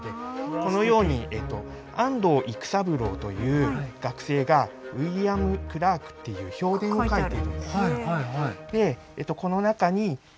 このように安東幾三郎という学生が「ウイリヤム、クラーク」っていう評伝を書いているんです。